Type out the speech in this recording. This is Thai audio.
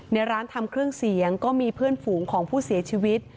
ในร้านทำเครื่องเสียงก็มีเพื่อนฝูงของผู้เสียชีวิต